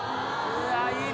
うわいいな！